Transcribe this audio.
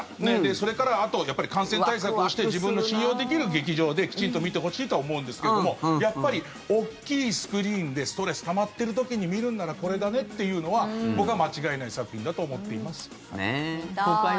それからあと、感染対策をして自分の信用できる劇場できちんと見てほしいとは思うんですけどもやっぱり大きいスクリーンでストレスたまっている時に見るならこれだねというのは僕は間違いない作品だと思っています。